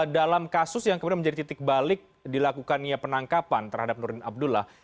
dalam kasus yang kemudian menjadi titik balik dilakukannya penangkapan terhadap nurdin abdullah